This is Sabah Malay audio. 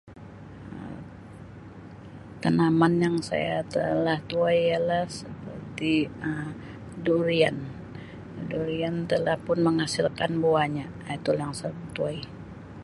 Um Tanaman yang saya telah tuai ialah seperti Um durian, durian telah pun menghasilkan buahnya itu la yang saya tuai.